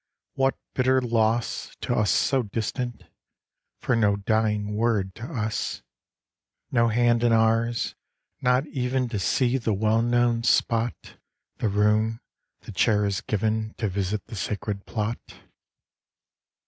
What bitter loss To us so distant. For No dying word to us; No hand in ours; not even To see the well known spot, The room, the chair is given; To visit the sacred plot.